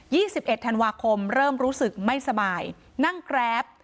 ี่สิบเอ็ดธันวาคมเริ่มรู้สึกไม่สบายนั่งแกรป